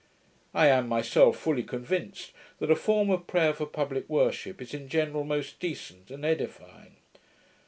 I am myself fully convinced that a form of prayer for publick worship is in general most decent and edifying.